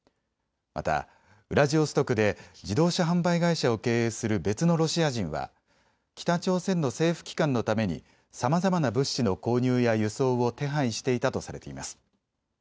また、ウラジオストクで自動車販売会社を経営する別のロシア人は北朝鮮の政府機関のためにさまざまな物資の購入や輸送を手配していたとされています。